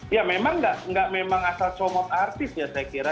ya memang gak asal comot artis ya saya kira